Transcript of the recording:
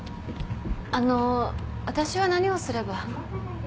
あの私は何をすれば。